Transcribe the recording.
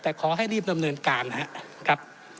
แต่ขอให้รีบดำเนินการนะครับ